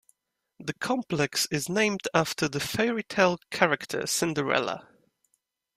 The complex is named after the fairy tale character Cinderella.